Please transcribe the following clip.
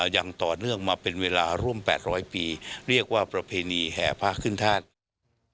อย่างต่อเนื่องมาเป็นเวลาร่วม๘๐๐ปีเรียกว่าประเพณีแห่พระขึ้นธาตุ